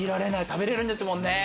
食べれるんですもんね。